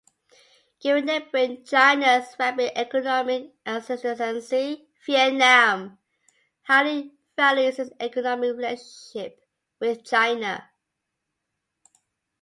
Given neighboring China's rapid economic ascendancy, Vietnam highly values its economic relationship with China.